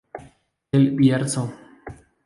El Bierzo""